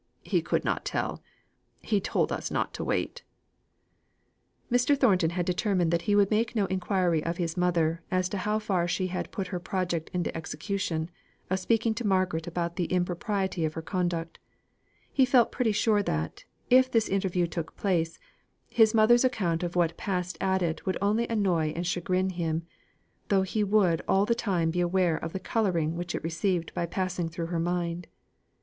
He could not tell. He told us not to wait." Mr. Thornton had determined that he would make no inquiry of his mother as to how far she had put her project into execution of speaking to Margaret about the impropriety of her conduct. He felt pretty sure that, if this interview took place, his mother's account of what passed at it would only annoy and chagrin him, though he would all the time be aware of the colouring which it received by passing through her mind.